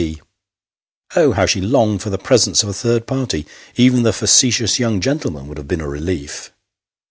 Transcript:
P. Oh ! how she longed for the presence of a third party ! Even the facetious young gentleman would have been a relief.